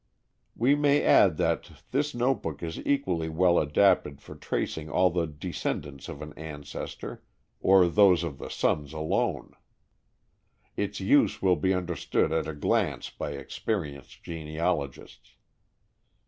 We may add that this notebook is equally well adapted for tracing all of the descendants of an ancestor, or those of the sons alone. Its use will be understood at a glance by experienced genealogists.